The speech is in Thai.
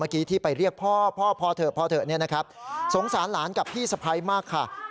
เป็นคลิปแอบถ่ายเพราะคนถ่ายก็กลัวนะครับ